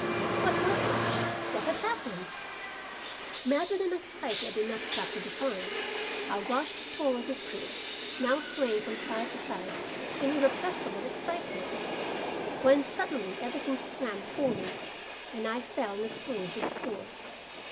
What was it? What had happened? Mad with an anxiety I did not stop to define, I rushed toward this group now swaying from side to side in irrepressible excitement, when suddenly everything swam before me and I fell in a swoon to the floor.